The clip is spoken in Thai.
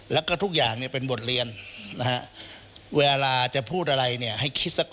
แล้วก็ทุกอย่างเนี่ยเป็นบทเรียนนะฮะ